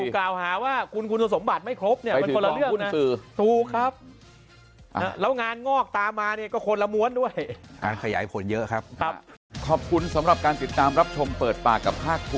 กับคุณกำลังถูกกล่าวหาว่าคุณคุณสมบัติไม่ครบเนี่ย